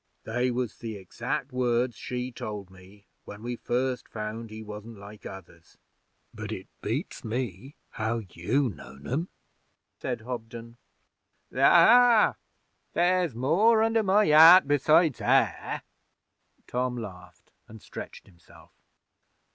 'They was the exact words she told me when we first found he wasn't like others. But it beats me how you known 'em,' said Hobden. 'Aha! There's more under my hat besides hair?' Tom laughed and stretched himself.